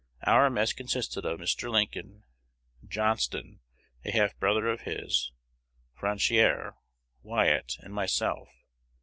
Qur mess consisted of Mr. Lincoln, Johnston (a half brother of his), Fanchier, Wyatt, and myself.